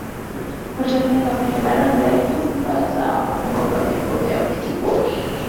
Watu walienda kwenye baraza za nyumba zao na kugonga vyombo vyao vya jikoni.